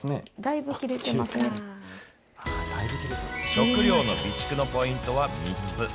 食料の備蓄のポイントは３つ。